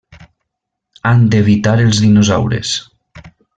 Han d'evitar els dinosaures.